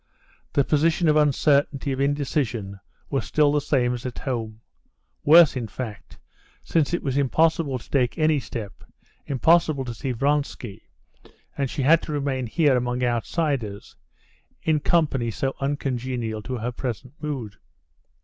The position of uncertainty, of indecision, was still the same as at home—worse, in fact, since it was impossible to take any step, impossible to see Vronsky, and she had to remain here among outsiders, in company so uncongenial to her present mood.